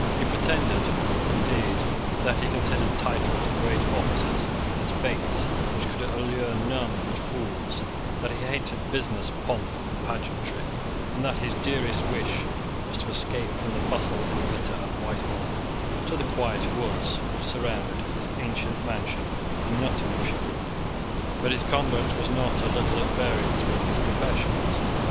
He pretended, indeed, that he considered titles and great offices as baits which could allure none but fools, that he hated business, pomp, and pageantry, and that his dearest wish was to escape from the bustle and glitter of Whitehall to the quiet woods which surrounded his ancient mansion in Nottinghamshire; but his conduct was not a little at variance with his professions.